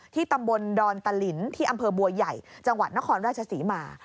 ตำบลดอนตะลินที่อำเภอบัวใหญ่จังหวัดนครราชศรีมา